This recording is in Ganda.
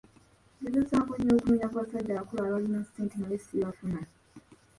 Ngezezzaako nnyo okunoonya ku basajja abakulu aabalina ssente naye sibafuna!